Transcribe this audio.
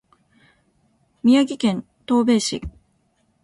宮城県登米市